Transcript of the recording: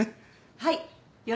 はい。